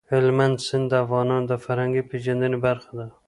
هلمند سیند د افغانانو د فرهنګي پیژندنې برخه ده.